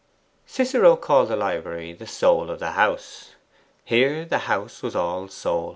Cicero called the library the soul of the house; here the house was all soul.